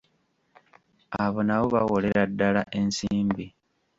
Abo nabo bawolera ddala ensimbi.